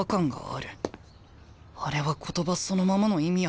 あれは言葉そのままの意味やったんか？